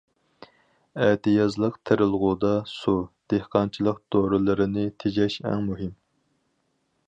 ئەتىيازلىق تېرىلغۇدا سۇ، دېھقانچىلىق دورىلىرىنى تېجەش ئەڭ مۇھىم.